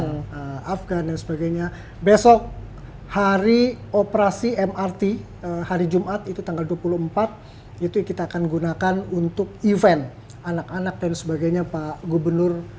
dengan afgan dan sebagainya besok hari operasi mrt hari jumat itu tanggal dua puluh empat itu kita akan gunakan untuk event anak anak dan sebagainya pak gubernur